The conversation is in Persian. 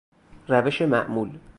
روش معمول